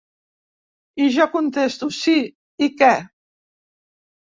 I jo contesto: Sí, i què?